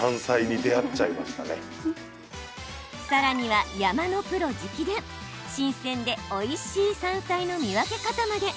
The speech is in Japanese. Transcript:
更には山のプロ直伝新鮮でおいしい山菜の見分け方まで。